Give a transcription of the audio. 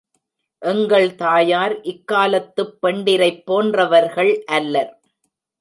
எங்கள் தாயார் இக்காலத்துப் பெண்டிரைப் போன்றவர்கள் அல்லர்.